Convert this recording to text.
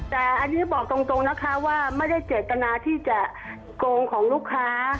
แต่อันนี้บอกตรงนะคะว่าไม่ได้เจตนาที่จะโกงของลูกค้า